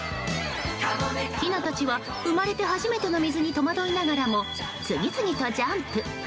ひなたちは生まれて初めての水に戸惑いながらも次々とジャンプ。